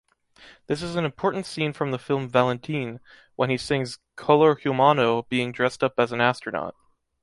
This is an important scene from the film “Valentin”, when he sings “Color humano” being dressed up as an astronaut.